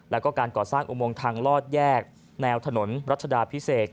แล้วก็การก่อสร้างอุโมงทางลอดแยกแนวถนนรัชดาพิเศษ